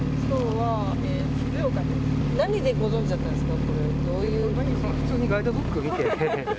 何でご存じだったんですか？